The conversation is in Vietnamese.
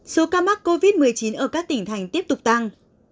số ca mắc covid một mươi chín ở các tỉnh thành tiếp tục tăng